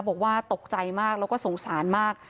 บอกว่าตกใจมากแล้วก็สงสารมาก